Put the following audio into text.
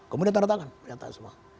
kemudian tanda tangan tanda tangan semua